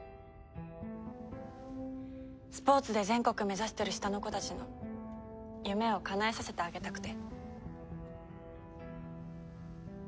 スポーツで全国目指してる下の子たちの夢をかなえさせてあげたくて。